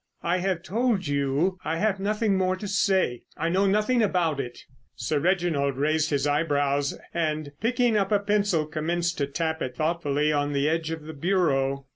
"I have told you I have nothing more to say. I know nothing about it." Sir Reginald raised his eyebrows, and picking up a pencil commenced to tap it thoughtfully on the edge of the bureau.